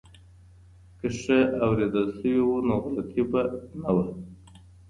که ښه اورېدل سوي و نو غلط فهمي به نه وه.